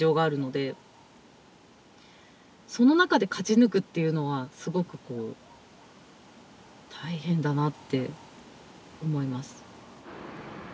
その中で勝ち抜くっていうのはすごく大変だなって思います。